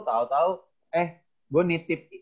tau tau eh gue nitip